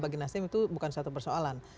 bagi nasdem itu bukan satu persoalan